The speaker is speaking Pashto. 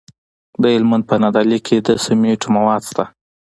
د هلمند په نادعلي کې د سمنټو مواد شته.